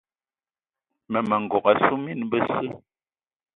Mmema n'gogué assu mine besse.